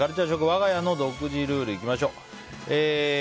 わが家の独自ルールいきましょう。